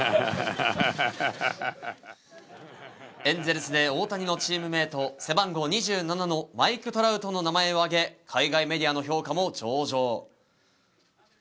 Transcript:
エンゼルスで大谷のチームメイト背番号「２７」のマイク・トラウトの名前を挙げ海外メディアの評価も上々。